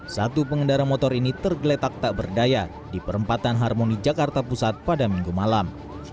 satu pengendara motor ini tergeletak tak berdaya di perempatan harmoni jakarta pusat pada minggu malam